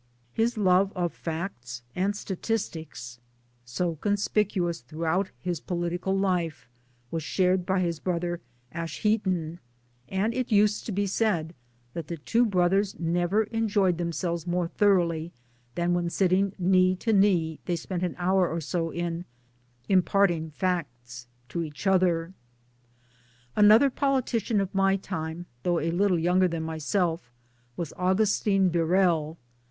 His love of facts and statistics, 2i 6 MY DAYS AND DREAMS so conspicuous throughout his political life, was shared by his brother Assheton ; and it used to be said that the two brothers never enjoyed them selves more thoroughly than when sitting knee to knee they spent an hour or so in * imparting facts to each other '! Another politician of my time, though a little younger than myself, was Augustine Birrell.